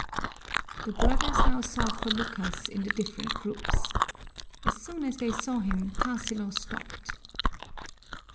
The brothers now sought for Lucas in the different groups. As soon as they saw him Tarsilo stopped.